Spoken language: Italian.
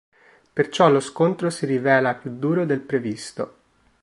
Perciò lo scontro si rivela più duro del previsto.